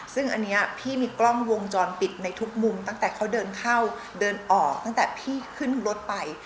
ซึ่งอันนี้พี่มีกล้องวงจรปิดในทุกมุมตั้งแต่เขาเดินเข้าเดินออกตั้งแต่พี่ขึ้นรถไป